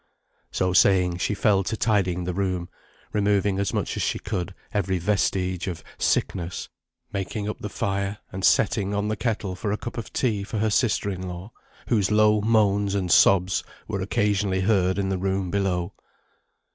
So saying, she fell to tidying the room, removing as much as she could every vestige of sickness; making up the fire, and setting on the kettle for a cup of tea for her sister in law, whose low moans and sobs were occasionally heard in the room below.